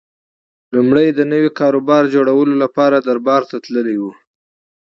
لومړی د نوي کاروبار جوړولو لپاره دربار ته تللی و